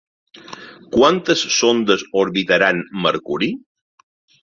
Quantes sondes orbitaran Mercuri?